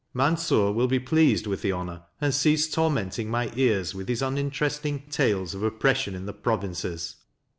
Mansur will be pleased with the honour, and cease tormenting my ears with his uninteresting tales of oppression in the provinces.